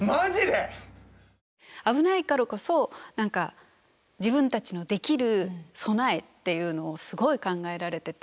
危ないからこそ何か自分たちのできる備えっていうのをすごい考えられてて。